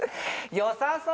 よさそう！